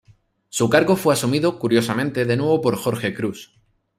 Su cargo fue asumido, curiosamente, de nuevo por Jorge Cruz.